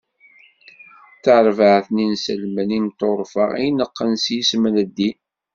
D tarbaɛt n yinselmen imeṭṭurfa, ineqqen s yisem n ddin.